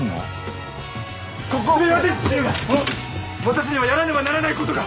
私にはやらねばならないことが！